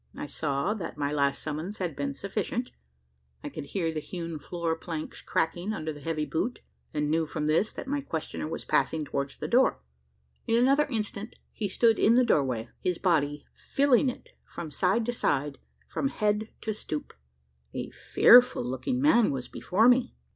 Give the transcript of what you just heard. I saw that my last summons had been sufficient. I could hear the hewn floor planks cracking under a heavy boot; and knew from this, that my questioner was passing towards the door. In another instant he stood in the doorway his body filling it from side to side from head to stoop. A fearful looking man was before me.